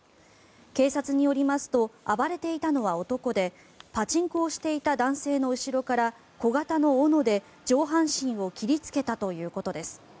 警察によりますと暴れていたのは男でパチンコをしていた男性の後ろから小型の斧で上半身を切りつけたということです。